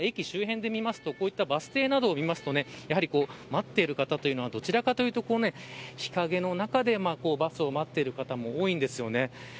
駅周辺、バス停などを見ますと待っている方というのはどちらかというと、日陰の中でバスを待っている方も多いんですよね。